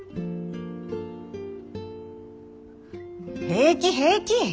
平気平気。